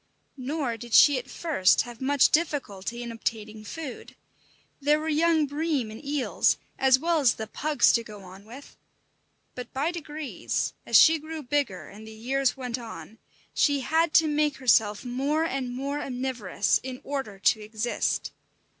Nor did she at first have much difficulty in obtaining food. There were young bream and eels, as well as the "pugs" to go on with; but by degrees, as she grew bigger and the years went on, she had to make herself more and more omnivorous in order to exist.